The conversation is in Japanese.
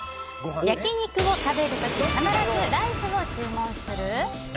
焼き肉を食べる時必ずライスを注文する？